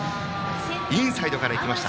インサイドからいきました。